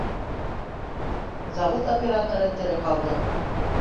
Завод операторы тере ҡалды